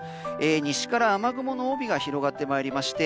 西から雨雲の帯が広がってまいりまして